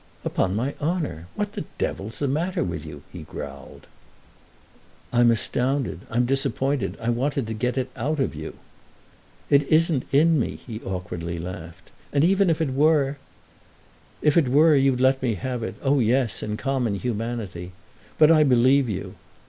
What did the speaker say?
"Upon my honour. What the devil's the matter with you?" he growled. "I'm astounded—I'm disappointed. I wanted to get it out of you." "It isn't in me!" he awkwardly laughed. "And even if it were—" "If it were you'd let me have it—oh yes, in common humanity. But I believe you.